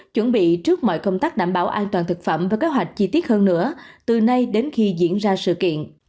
chuẩn bị trước mọi công tác đảm bảo an toàn thực phẩm và kế hoạch chi tiết hơn nữa từ nay đến khi diễn ra sự kiện